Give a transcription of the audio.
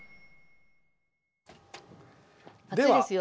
熱いですよ。